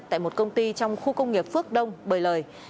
tại một công ty trong khu công nghiệp phước đông bờ lời